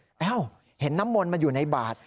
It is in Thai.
เอ้าเห็นน้ำมนต์มันอยู่ในบาท